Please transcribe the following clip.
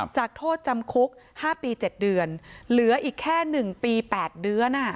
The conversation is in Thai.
โทษจำคุก๕ปี๗เดือนเหลืออีกแค่๑ปี๘เดือน